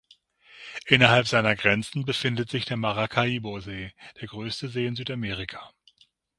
Innerhalb seiner Grenzen befindet sich der Maracaibo-See, der größte See in Südamerika.